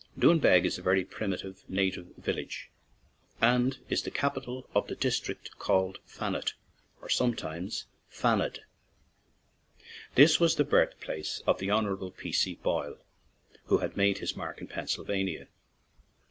Doaghbeg is a very primitive, native village and is the capital of the district called Fanet (sometimes Fanad). This was the birthplace of the Honorable P. C. Boyle, who has made his mark in Pennsylvania.